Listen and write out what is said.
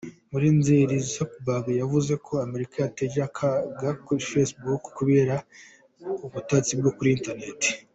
Muri Nzeri Zuckerberg yavuze ko Amerika yateje akaga Facebook kubera ubutasi bwo kuri internet.